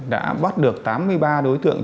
đã bắt được tám mươi ba đối tượng